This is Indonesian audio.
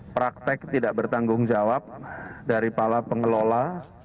praktek tidak bertanggung jawab dari pala pengelola